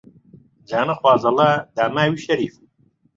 جا نەخوازەڵا داماوی شەریف